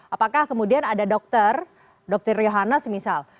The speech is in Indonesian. apakah kemudian ada dokter dokter yohana semisal